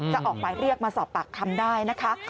จะออกหมายเรียกมาสอบปากคำได้นะคะ